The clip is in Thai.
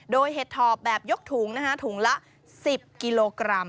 โดยเห็ดถอบแบบยกถุงนะคะถุงละ๑๐กิโลกรัม